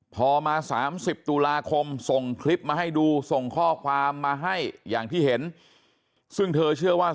พอมา๓๐ตุลาคมส่งคลิปมาให้ดูส่งข้อความมาให้อย่างที่เห็นซึ่งเธอเชื่อว่า